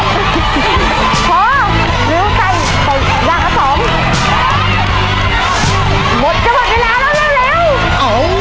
หมดจะหมดเวลาแล้วเร็ว